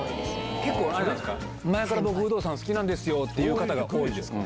結構、あれなんですか、前から僕、有働さん好きなんですよっていう方多いんですか？